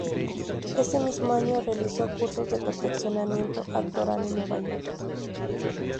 Ese mismo año realizó cursos de perfeccionamiento actoral en Nueva York.